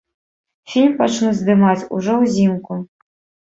Фільм пачнуць здымаць ужо ўзімку.